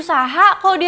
ngapa deh ya